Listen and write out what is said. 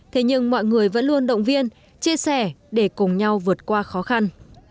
thế nhưng mọi người vẫn luôn động viên chia sẻ để cùng nhau vượt qua khó khăn